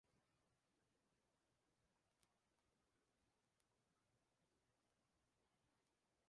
Se había de acceder a la cumbre por una escalera alojada en una pata.